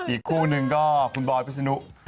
อีกคู่หนึ่งก็คุณบอยพิษนุ